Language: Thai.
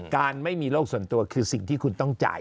การไม่มีโรคส่วนตัวคือสิ่งที่คุณต้องจ่าย